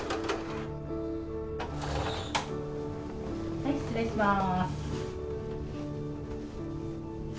はい失礼します。